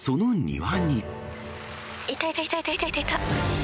いたいたいたいた。